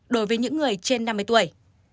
đối với những người trên năm mươi tuổi